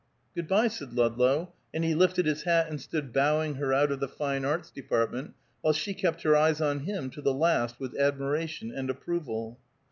"Good by," said Ludlow, and he lifted his hat and stood bowing her out of the Fine Arts Department, while she kept her eyes on him to the last with admiration and approval.